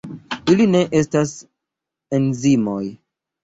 Ili ne estas enzimoj.